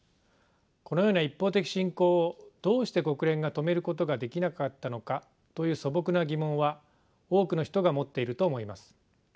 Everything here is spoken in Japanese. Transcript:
このような一方的侵攻をどうして国連が止めることができなかったのかという素朴な疑問は多くの人が持っていると思います。